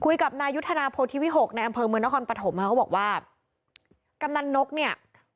นายุทธนาโพธิวิหกในอำเภอเมืองนครปฐมค่ะเขาบอกว่ากำนันนกเนี่ย